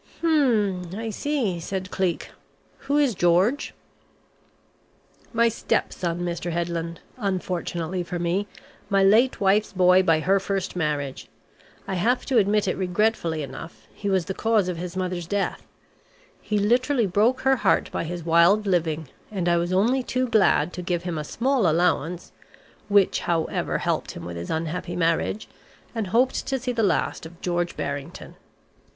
"Hmm. I see," said Cleek. "Who is George?" "My stepson, Mr. Headland unfortunately for me my late wife's boy by her first marriage. I have to admit it regretfully enough, he was the cause of his mother's death. He literally broke her heart by his wild living, and I was only too glad to give him a small allowance which however helped him with his unhappy marriage and hoped to see the last of George Barrington."